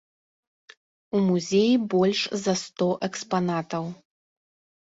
У музеі больш за сто экспанатаў.